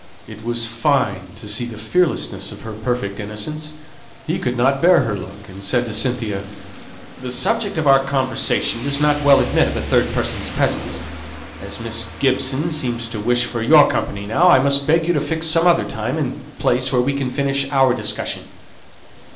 It was fine to see the fearlessness of her perfect innocence. He could not bear her look, and said to Cynthia, "The subject of our conversation does not well admit of a third person's presence. As Miss Gibson seems to wish for your company now, I must beg you to fix some other time and place where we can finish our discussion."